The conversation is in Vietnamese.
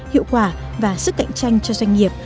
hiệu quả và sức cạnh tranh cho doanh nghiệp